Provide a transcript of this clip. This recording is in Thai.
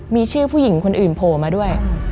มีชื่อผู้หญิงคนอื่นโผล่มาด้วย